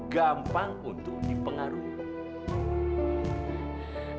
gampang untuk dipengaruhi